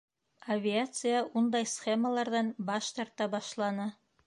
Авиация ундай схемаларҙан баш тарта башланы.